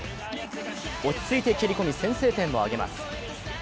落ち着いて蹴り込み先制点を挙げます。